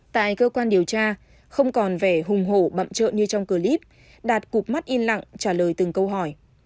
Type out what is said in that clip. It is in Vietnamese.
tại cơ quan điều tra không còn vẻ hùng hổ bậm trợ như trong clip đạt cục mắt yên lặng trả lời từng câu hỏi